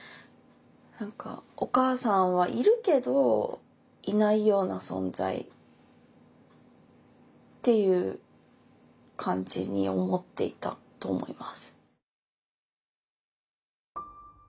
何かお母さんはいるけどいないような存在っていう感じに思っていたと思います。